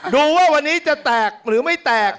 ดูว่าวันนี้จะแตกหรือไม่แตก